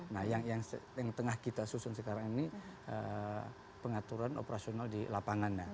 nah yang tengah kita susun sekarang ini pengaturan operasional di lapangannya